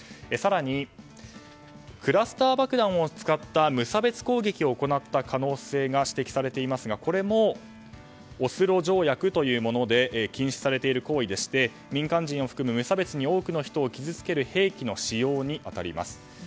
更にクラスター爆弾を使った無差別攻撃を行った可能性が指摘されていますがこれも、オスロ条約というもので禁止されている行為でして民間人を含む無差別に多くの人を傷つける兵器の使用に当たります。